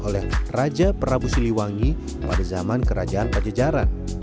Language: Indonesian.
oleh raja prabu siliwangi pada zaman kerajaan pajajaran